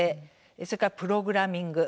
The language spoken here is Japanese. それからプログラミング